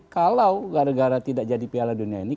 kalau gara gara tidak jadi piala dunia ini